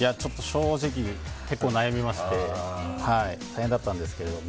正直、結構悩みまして大変だったんですけど。